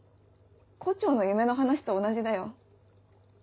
胡蝶の夢の話と同じだよ。